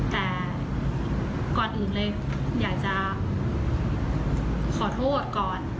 แต่ก่อนอื่นเลยอยากจะขอโทษก่อน